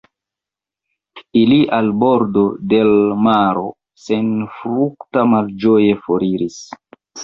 Ili al bordo de l' maro senfrukta malĝoje foriris.